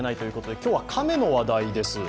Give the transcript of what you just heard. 今日は亀の話題です。